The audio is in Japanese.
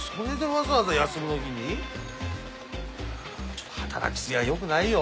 ちょっと働き過ぎは良くないよ。